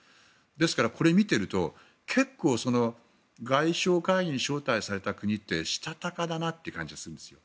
ですから、これを見ていると外相会議に招待された国ってしたたかだなって感じがするんですよ。